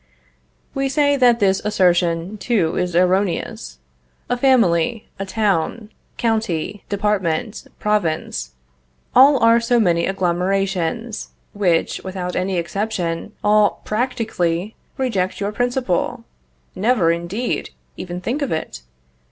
We say that this assertion too is erroneous. A family, a town, county, department, province, all are so many agglomerations, which, without any exception, all practically reject your principle; never, indeed, even think of it.